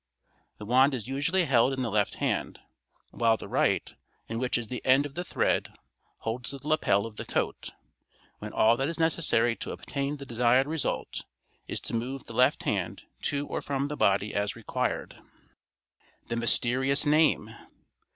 The wand is usually held in the left hand, while the right, in which is the end of the thread, holds the lapel of the coat, when all that is necessary to obtain the desired result is to move the left hand to or from the body as required. The Mysterious Name.